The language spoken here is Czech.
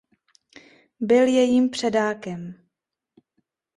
Byl jejím předákem.